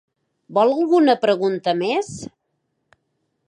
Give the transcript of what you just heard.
Vol alguna pregunta més?